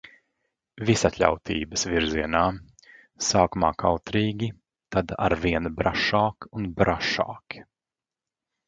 Visatļautības virzienā. Sākumā kautrīgi, tad arvien brašāk un brašāk.